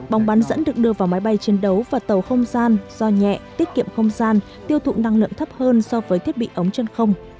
bóng bán dẫn được đưa vào máy bay chiến đấu và tàu không gian do nhẹ tiết kiệm không gian tiêu thụ năng lượng thấp hơn so với thiết bị ống chân không